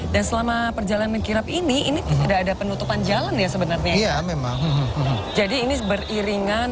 dan selama perjalanan